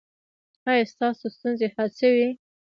ایا ستاسو ستونزې حل شوې؟